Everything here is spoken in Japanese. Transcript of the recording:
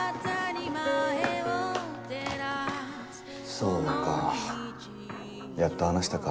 そうかやっと話したか。